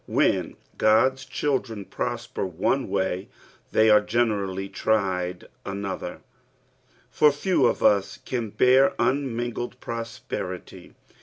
Ifften (rod*a children prosper one loay, Ikty are generaliy tried anofAer, for fete of us can bear un nin^ied prosperity.